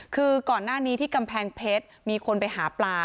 คือก่อนหน้านี้ที่กำแพงเพชรมีคนไปหาปลา